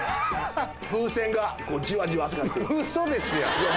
風船がじわじわ汗かくウソですやんいや